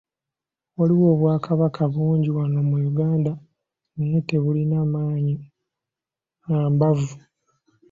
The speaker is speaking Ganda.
Waliwo Obwakabaka bungi wano mu Uganda naye tebulina maanyi na mbavu.